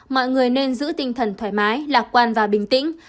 mọi người nên giữ tinh thần thoải mái lạc quan và bình tĩnh